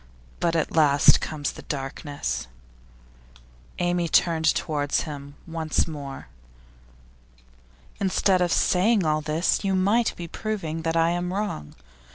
But at last comes the darkness.' Amy turned towards him once more. 'Instead of saying all this, you might be proving that I am wrong.